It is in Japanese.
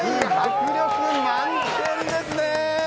迫力満点ですね！